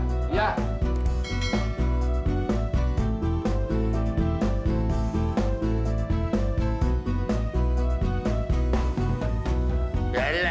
kamu langsung yang jalan